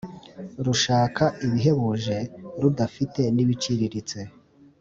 Rushaka ibihebuje rudafite nibiciriritse